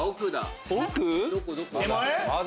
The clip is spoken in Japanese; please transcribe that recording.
奥だ！